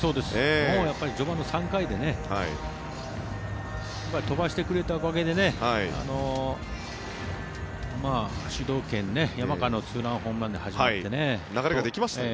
序盤の３回で飛ばしてくれたおかげで山川のツーランホームランで始まってね。